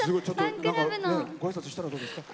ごあいさつしたらどうですか？